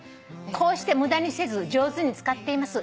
「こうして無駄にせず上手に使っています」